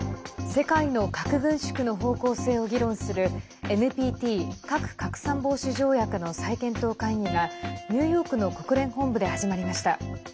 世界の核軍縮の方向性を議論するＮＰＴ＝核拡散防止条約の再検討会議がニューヨークの国連本部で始まりました。